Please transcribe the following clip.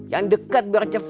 yang deket bercepet